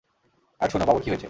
আর শুনো, বাবুর কী হয়েছে?